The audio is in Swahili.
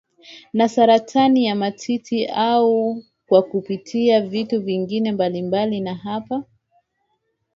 na saratani ya matiti au kwa kupitia vitu vingine mbalimbali na hapa